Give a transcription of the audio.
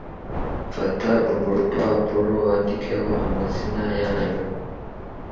Fata urwo rupapuro wandikeho amazina yanyu